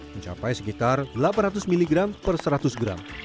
mencapai sekitar delapan ratus mg per seratus gram